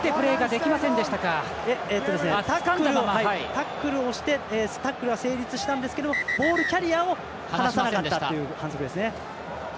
タックルを押してタックルは成立したんですがボールキャリアを放さなかったという反則ですね。